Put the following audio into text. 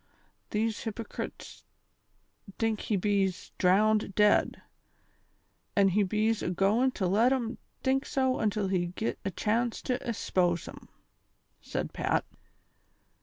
These hypecrets tink he bees drown 'd dead, an' he bees agoin' to let 'em tink so until he git a chance to e'spose 'em," said Pat.